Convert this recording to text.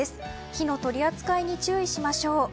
火の取り扱いに注意しましょう。